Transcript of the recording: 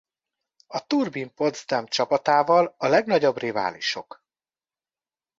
A Turbine Potsdam csapatával a legnagyobb riválisok.